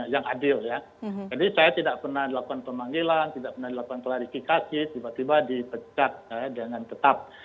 jadi saya tidak pernah dilakukan pemanggilan tidak pernah dilakukan klarifikasi tiba tiba dipecat dengan tetap